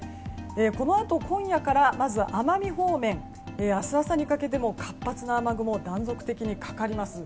このあと今夜から、まず奄美方面明日朝にかけても活発な雨雲は断続的にかかります。